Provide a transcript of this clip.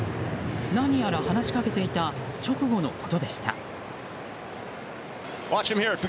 何やら話しかけていた直後のことでした。